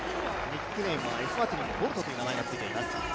ニックネームはボルトという名前がついています。